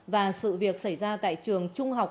và sự việc xảy ra tại trường trung học